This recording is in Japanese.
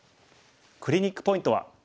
クリニックポイントは。